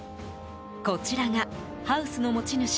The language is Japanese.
こちらがハウスの持ち主